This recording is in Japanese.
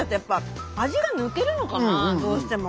あのどうしても。